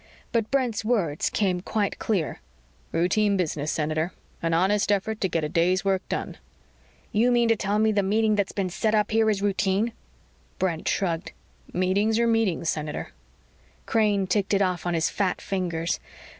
But Brent's words came quite clear: "Routine business, Senator an honest effort to get a day's work done." "You mean to tell me the meeting that's been set up here is routine?" Brent shrugged. "Meetings are meetings, Senator." Crane ticked it off on his fat fingers.